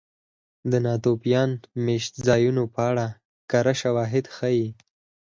د ناتوفیان مېشتځایونو په اړه کره شواهد ښيي